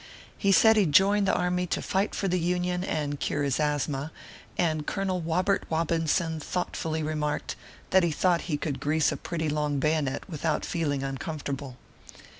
He said he joined the army to fight for the Union, and cure his asthma, and Colonel Wobert Wobinson thoughtfully remarked, that he thought he could grease a pretty long bayonet without feeling uncomfortable.